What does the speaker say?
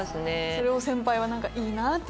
それを先輩はいいなぁって。